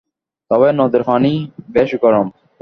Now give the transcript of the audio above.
তবে নদীর পানি বেশ গরম।